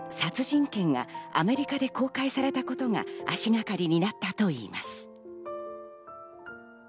殺人拳』がアメリカで公開されたことが足がかりになったといいます。